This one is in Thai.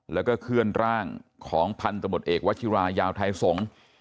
แล้วก็เคลื่อนร่างของพันธมตเอกวัชิรายาวไทยสงฆ์